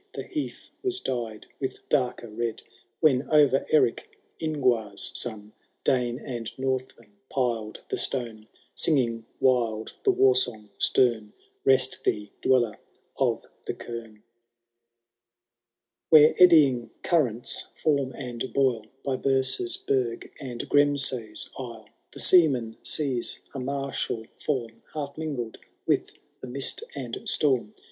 The heath was dyed with darker red. When o^er Erick, Ingnar\i son, Dane and Northman piled the stone ; Singing wild the war song stem, * Rest thee, Dweller of the Caim 1 '^ Where eddying currents foam and boll By Bersa*s burgh and Grasmsay^s isle, The seaman sees a martial ibzm Half mingled with the mist and storm.